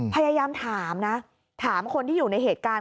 พยายามถามนะถามคนที่อยู่ในเหตุการณ์